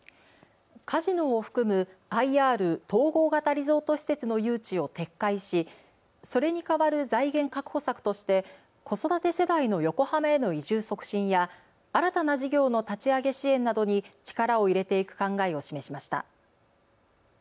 カジノを含むＩＲ・統合型リゾート施設の誘致を撤回しそれに代わる財源確保策として子育て世代の横浜への移住促進や新たな事業の立ち上げ支援などに力を入れていく考えを示しました。